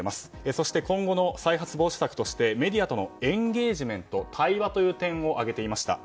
そして今後の再発防止策としてメディアとのエンゲージメント対話という点を挙げていました。